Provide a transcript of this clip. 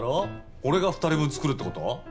俺が２人分作るって事？